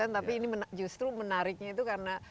tapi ini justru menariknya itu karena